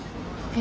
え？